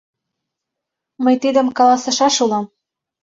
Мый тидым каласышаш улам.